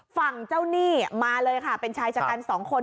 ฝั่งเจ้าหนี้มาเลยค่ะเป็นชายชะกันสองคน